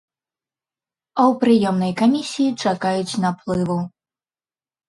А ў прыёмнай камісіі чакаюць наплыву.